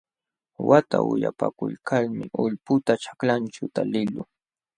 Uqata ulyapakuykalmi ulputa ćhaklaćhu taliqluu.